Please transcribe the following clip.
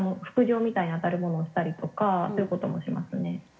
副業みたいにあたるものをしたりとかそういう事もしますね。